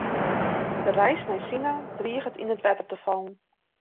De reis nei Sina driget yn it wetter te fallen.